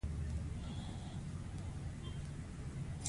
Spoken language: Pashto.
قانون د عامه خدمت د تنظیم اساسي وسیله ده.